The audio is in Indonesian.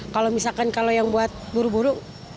kalau misalkan kalau yang buat buru buru